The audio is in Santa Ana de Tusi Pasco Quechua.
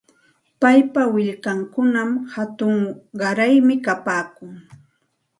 Paypa willkankunam hatun qaraymi kapaakun.